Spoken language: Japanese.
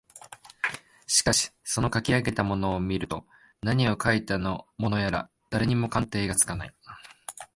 しかしそのかき上げたものを見ると何をかいたものやら誰にも鑑定がつかない